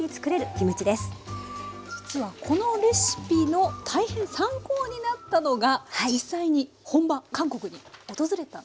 実はこのレシピの大変参考になったのが実際に本場韓国に訪れたんですね？